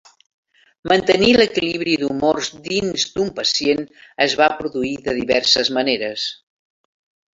Mantenir l'equilibri d'humors dins d'un pacient es va produir de diverses maneres.